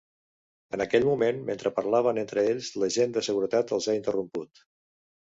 En aquell moment, mentre parlaven entre ells, l’agent de seguretat els ha interromput.